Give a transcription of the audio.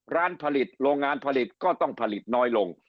ร้านผลิตโรงงานผลิตก็ต้องผลิตน้อยลง